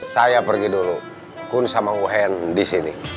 saya pergi dulu kun sama wu hen di sini